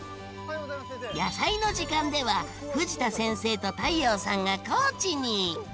「やさいの時間」では藤田先生と太陽さんが高知に！